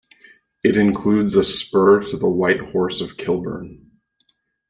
It includes a spur to the White Horse of Kilburn.